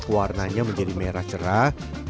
warnanya menjadi merah cerah